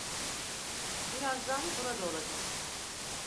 Birazdan burada olacak.